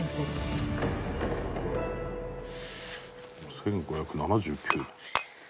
「１５７９年」